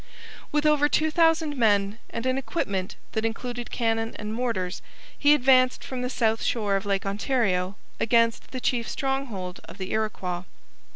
With over two thousand men, and an equipment that included cannon and mortars, he advanced from the south shore of Lake Ontario against the chief stronghold of the Iroquois.